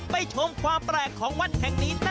ไปชมความแปลกของวัดแห่งนี้นั่นก็คือ